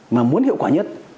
mà muốn hiệu quả nhất